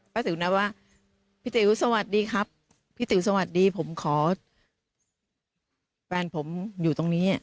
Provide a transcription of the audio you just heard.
ติ๋วนะว่าพี่ติ๋วสวัสดีครับพี่ติ๋วสวัสดีผมขอแฟนผมอยู่ตรงนี้